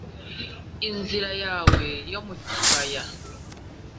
Inzira yawe yo mu kibaya